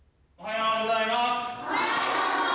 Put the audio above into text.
おはようございます。